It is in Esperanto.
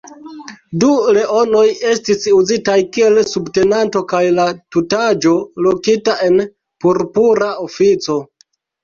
Du leonoj estis uzitaj kiel subtenanto kaj la tutaĵo lokita en purpura ofico.